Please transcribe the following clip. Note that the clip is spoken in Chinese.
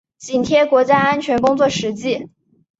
紧贴国家安全工作实际